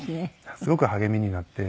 すごく励みになって。